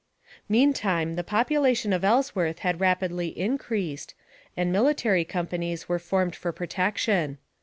Meantime the population ot Ellsworth had rapidly increased, and military companies were formed for pro tection.